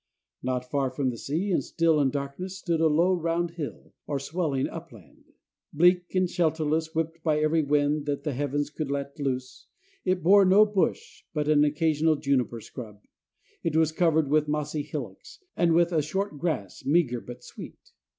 Not far from the sea, and still in darkness, stood a low, round hill, or swelling upland. Bleak and shelterless, whipped by every wind that the heavens could let loose, it bore no bush but an occasional juniper scrub. It was covered with mossy hillocks, and with a short grass, meagre but sweet.